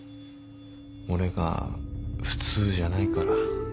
俺が普通じゃないから。